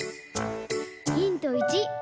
ヒント１。